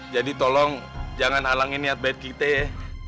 tolong jangan halangin niat baik kita ya